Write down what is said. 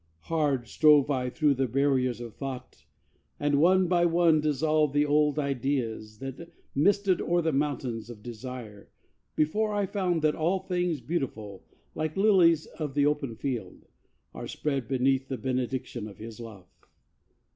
Hard strove I through the barriers of thought, And one by one dissolved the old ideas That misted o'er the mountains of desire, Before I found that all things beautiful, Like lilies of the open field, are spread Beneath the benediction of His love.